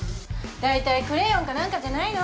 だいたいクレヨンか何かじゃないの？